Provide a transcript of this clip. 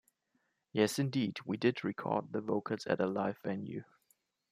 Yes indeed, we did record the vocals at a live venue.